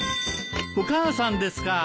お母さんですか？